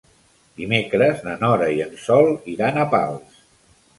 Dimecres na Nora i en Sol iran a Pals.